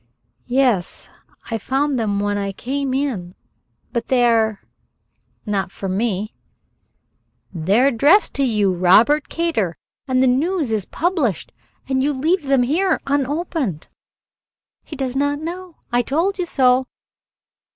"Yes, I found them when I came in but they are not for me." "They are addressed to you, Robert Kater, and the news is published and you leave them here unopened." "He does not know I told you so."